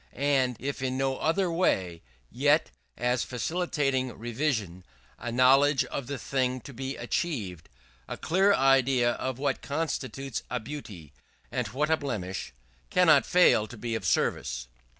And if in no other way, yet, as facilitating revision, a knowledge of the thing to be achieved a clear idea of what constitutes a beauty, and what a blemish cannot fail to be of service.